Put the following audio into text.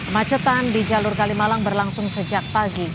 macetan di jalur kalimalang berlangsung sejak pagi